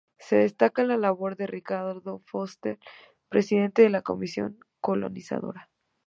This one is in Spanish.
Se destaca la labor de Ricardo Foster, presidente de la comisión colonizadora.